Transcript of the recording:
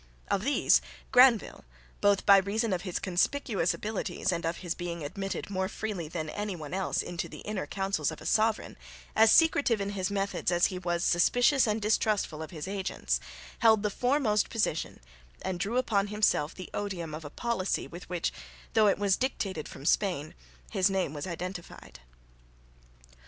Of these Granvelle, both by reason of his conspicuous abilities and of his being admitted more freely than anyone else into the inner counsels of a sovereign, as secretive in his methods as he was suspicious and distrustful of his agents, held the foremost position and drew upon himself the odium of a policy with which, though it was dictated from Spain, his name was identified.